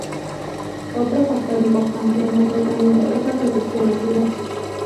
Otro factor importante en el tratamiento es la protección ocular.